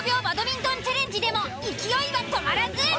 バドミントンチャレンジでも勢いは止まらず。